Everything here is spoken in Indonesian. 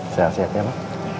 sehat sehat ya ma